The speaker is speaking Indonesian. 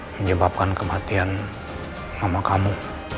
menyebabkan kematian mama kamu